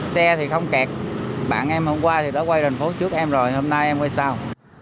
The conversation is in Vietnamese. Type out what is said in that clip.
xe thì không kẹt bạn em hôm qua thì đã quay thành phố trước em rồi hôm nay em quay sau